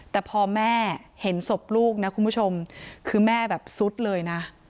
แต่พอแม่เห็นศพลูกนะคุณผู้ชมคือแม่แบบสุดเลยนะ